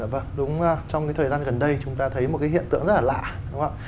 vâng đúng là trong thời gian gần đây chúng ta thấy một hiện tượng rất là lạ